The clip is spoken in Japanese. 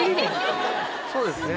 そうですね。